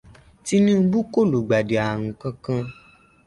Tinubu kò lùgbàdí ààrun kankan